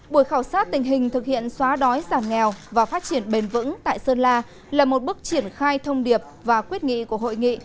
buổi khảo sát tình hình thực hiện xóa đói giảm nghèo và phát triển bền vững tại sơn la là một bước triển khai thông điệp và quyết nghị của hội nghị